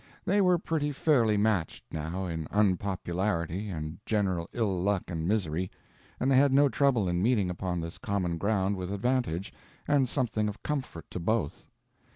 They were pretty fairly matched, now, in unpopularity and general ill luck and misery, and they had no trouble in meeting upon this common ground with advantage and something of comfort to both.